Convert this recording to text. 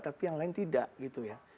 tapi yang lain tidak gitu ya